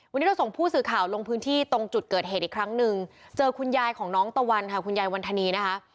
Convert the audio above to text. วันนี้เราส่งผู้สื่อข่าวลงพื้นที่ตรงจุดเกิดเหตุอีกครั้งหนึ่งเจอคุณยายของน้องตะวันค่ะคุณยายวันธนีนะคะ